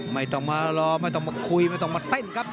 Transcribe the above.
ไม่ต้องมารอไม่ต้องมาคุยไม่ต้องมาเต้นครับ